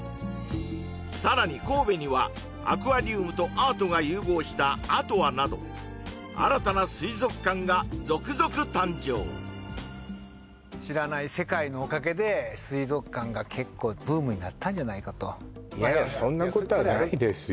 さらに神戸にはアクアリウムとアートが融合したアトアなど新たな水族館が続々誕生知らない世界のおかげで水族館が結構ブームになったんじゃないかといやいやそんなことはないですよ